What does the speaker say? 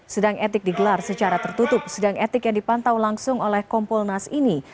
sidang etik digelar secara tertutup sidang etik yang dipantau langsung oleh kompolnas ini